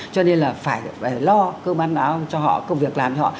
cho nên là phải lo cơ bản nào cho họ công việc làm cho họ